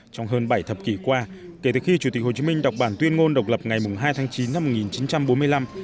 trong hơn bảy thập kỷ qua kể từ khi chủ tịch hồ chí minh đọc bản tuyên ngôn độc lập ngày hai tháng chín năm một nghìn chín trăm bốn mươi năm